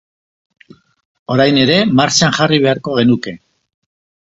Orain ere martxan jarri beharko genuke.